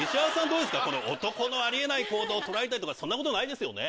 どうですか男のあり得ない行動取られたりとかそんなことないですよね。